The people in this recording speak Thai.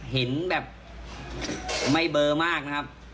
เห็นแบบไม่เบอร์มากนะครับ